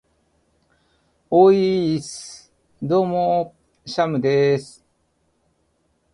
ｵｨｨｨｨｨｨｯｽ!どうもー、シャムでーす。